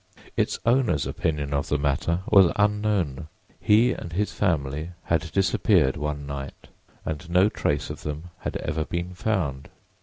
Its owner's opinion of the matter was unknown; he and his family had disappeared one night and no trace of them had ever been found.